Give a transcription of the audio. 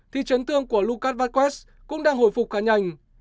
tuy nhiên nhóm phim này không tích cực tục phục hồi